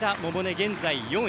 現在、４位。